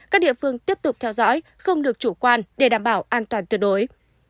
các địa phương tiếp tục theo dõi không được chủ quan để đảm bảo an toàn tuyệt đối